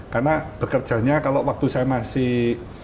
karena bekerjanya kalau waktu saya masih